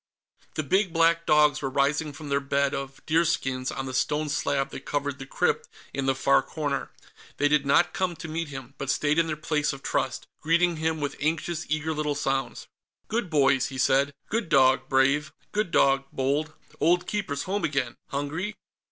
The big black dogs were rising from their bed of deerskins on the stone slab that covered the crypt in the far corner. They did not come to meet him, but stayed in their place of trust, greeting him with anxious, eager little sounds. "Good boys," he said. "Good dog, Brave; good dog, Bold. Old Keeper's home again. Hungry?"